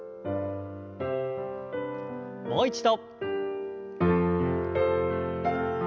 もう一度。